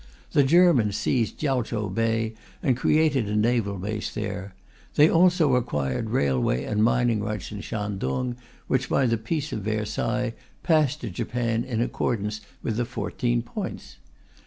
The Germans seized Kiaochow Bay and created a naval base there; they also acquired railway and mining rights in Shantung, which, by the Treaty of Versailles, passed to Japan in accordance with the Fourteen Points.